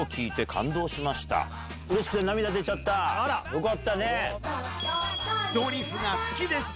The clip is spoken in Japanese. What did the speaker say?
よかったね！